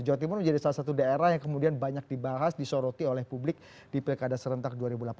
jawa timur menjadi salah satu daerah yang kemudian banyak dibahas disoroti oleh publik di pilkada serentak dua ribu delapan belas